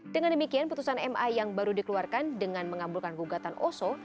dengan demikian putusan ma yang baru dikeluarkan dengan mengabulkan gugatan oso